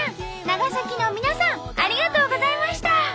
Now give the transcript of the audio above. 長崎の皆さんありがとうございました！